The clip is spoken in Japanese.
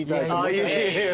いえいえ